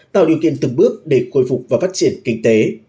tạo điều kiện từng bước để khôi phục và phát triển kinh tế